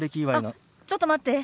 あっちょっと待って。